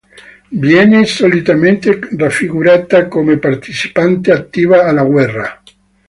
Viene solitamente raffigurata come partecipante attiva alla guerra.